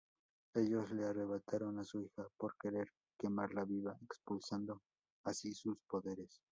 Ellos le arrebataron a su hija, por querer quemarla viva, expulsando así sus poderes.